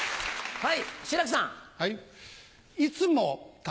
はい。